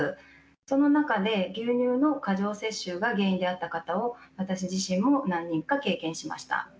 その中で、牛乳の過剰摂取が原因であった方を、私自身も何人か経験しました。